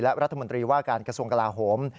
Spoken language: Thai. และรัฐมนตรีว่าการกระทรวงกลาโหม